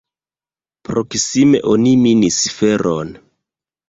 Proksime oni minis feron.